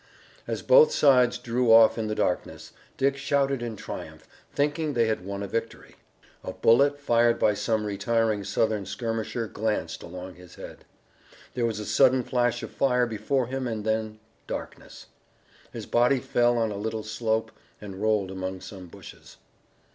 As both sides drew off in the darkness, Dick shouted in triumph, thinking they had won a victory. A bullet fired by some retiring Southern skirmisher glanced along his head. There was a sudden flash of fire before him and then darkness. His body fell on a little slope and rolled among some bushes.